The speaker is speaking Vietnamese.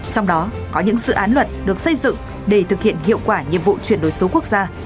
trong đó có những dự án luật được xây dựng để thực hiện hiệu quả nhiệm vụ chuyển đổi số quốc gia